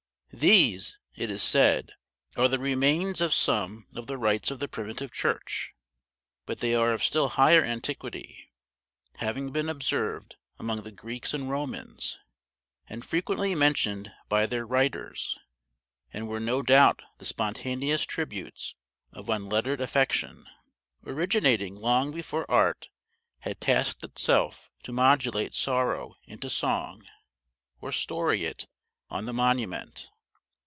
These, it is said, are the remains of some of the rites of the primitive Church; but they are of still higher antiquity, having been observed among the Greeks and Romans, and frequently mentioned by their writers, and were no doubt the spontaneous tributes of unlettered affection, originating long before art had tasked itself to modulate sorrow into song or story it on the monument.